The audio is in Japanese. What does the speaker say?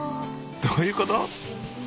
どういうこと？